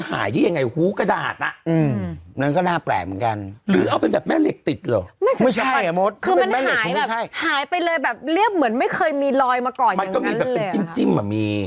ใครที่อยู่ภูเก็ตหรือว่ารู้ประวัติเกี่ยวกับด้านนี้